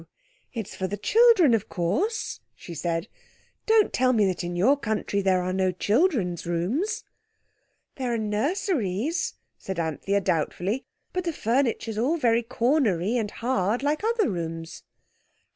It's for the children, of course," she said. "Don't tell me that in your country there are no children's rooms." "There are nurseries," said Anthea doubtfully, "but the furniture's all cornery and hard, like other rooms."